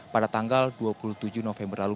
pada tanggal dua puluh tujuh november lalu